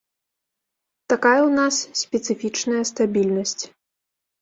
Такая ў нас спецыфічная стабільнасць.